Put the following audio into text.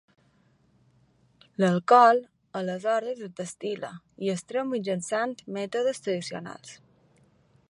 L'alcohol, aleshores, es destil·la i es treu mitjançant mètodes tradicionals.